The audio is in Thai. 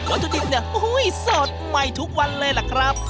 ขนาดจุดอีกสดใหม่ทุกวันเลยล่ะครับ